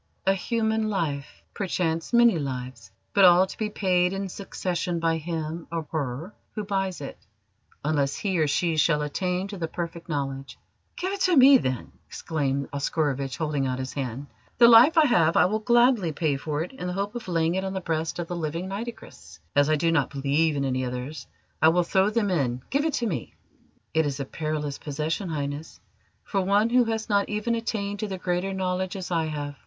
"A human life perchance many lives but all to be paid in succession by him or her who buys it, unless he or she shall attain to the Perfect Knowledge." "Give it to me, then!" exclaimed Oscarovitch, holding out his hand. "The life I have I will gladly pay for it in the hope of laying it on the breast of the living Nitocris. As I do not believe in any others, I will throw them in. Give it to me!" "It is a perilous possession, Highness, for one who has not even attained to the Greater Knowledge, as I have.